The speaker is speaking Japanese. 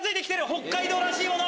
北海道らしいもの！